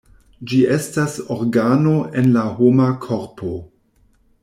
Ĝi estas organo en la homa korpo.